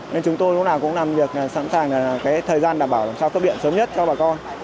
nên chúng tôi lúc nào cũng làm việc sẵn sàng thời gian đảm bảo làm sao cấp điện sớm nhất cho bà con